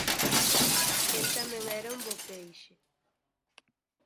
El tamén era un bo peixe